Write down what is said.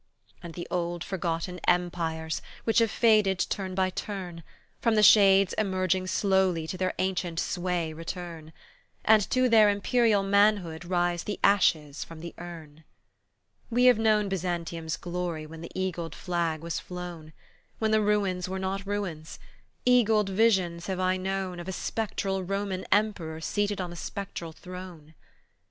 And the old forgotten empires, which have faded turn by turn, From the shades emerging slowly to their ancient sway return, And to their imperial manhood rise the ashes from the urn. We have known Bzyantium's glory when the eagled flag was flown, When the ruins were not ruins; eagled visions have I known Of a spectral Roman emperor seated on a spectral throne.